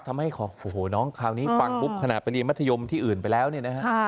ทำให้โอ้โหน้องคราวนี้ฟังปุ๊บขณะไปเรียนมัธยมที่อื่นไปแล้วเนี่ยนะฮะ